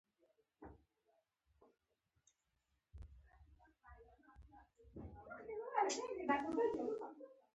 چینایان د سپما کولو عادت لري.